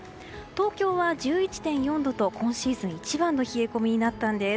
東京は１１．４度と今シーズン一番の冷え込みになったんです。